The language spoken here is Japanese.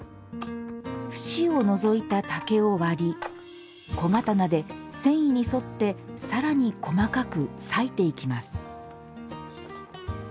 節を除いた竹を割り小刀で繊維に沿ってさらに細かく割いていきます。